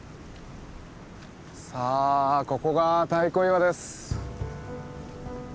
さあここが太鼓岩です。